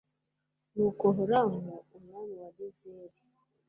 nuko horamu, umwami wa gezeri